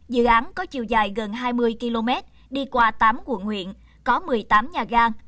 dự án có chiều dài gần hai mươi km đi qua tám quận huyện có một mươi tám nhà gan